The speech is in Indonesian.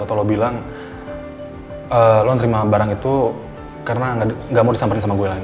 atau lo bilang lo nerima barang itu karena gak mau disamparin sama gue lagi